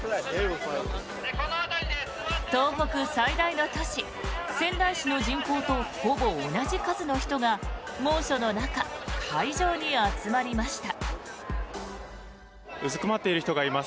東北最大の都市、仙台市の人口とほぼ同じ数の人が猛暑の中、会場に集まりました。